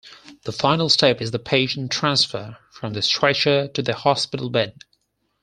The final step is the patient transfer from the stretcher to the hospital bed.